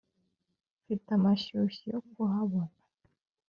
mfite amashyushyu yo kuhabona.